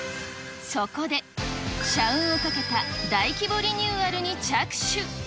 そこで、社運を賭けた大規模リニューアルに着手。